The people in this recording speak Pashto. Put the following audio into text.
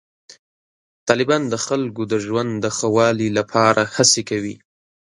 طالبان د خلکو د ژوند د ښه والي لپاره هڅې کوي.